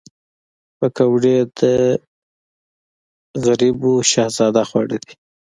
پکورې د غریبو شهزاده خواړه دي